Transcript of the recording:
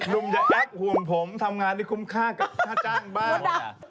หนุ่มจะแอ๊กห่วงผมทำงานที่คุ้มค่ากับค่าจ้างบ้าง